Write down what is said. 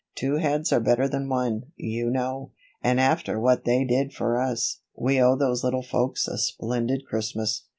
Two heads are better than one, you know; and after what they did for us, we owe those little folks a splendid Christmas."